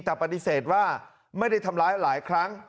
แต่ปฏิเสธว่าไม่ได้ทำร้ายหลายครั้ง